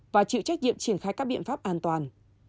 và chịu trách nhiệm triển khai các biện pháp an toàn